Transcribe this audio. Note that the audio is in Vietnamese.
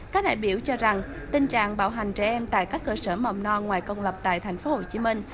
các đại biểu cho rằng tình trạng bạo hành trẻ em tại các cơ sở mầm no ngoài công lập tại thành phố hồ chí minh